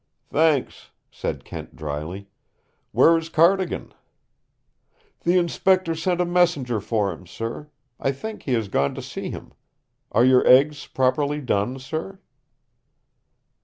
"Thanks!" said Kent dryly. "Where is Cardigan?" "The Inspector sent a messenger for him, sir. I think he has gone to see him. Are your eggs properly done, sir?"